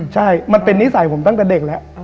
ใช่มันเป็นนิสัยผมตั้งแต่เด็กแล้ว